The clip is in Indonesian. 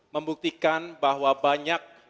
membuktikan bahwa banyak